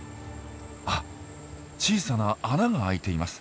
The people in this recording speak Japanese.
あっ小さな穴が開いています。